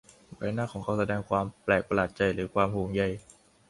ใบหน้าของเขาแสดงความแปลกประหลาดใจหรือความห่วงใย